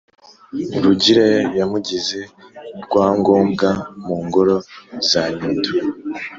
rugira yamugize rwangombwa mu ngoro za nyundo.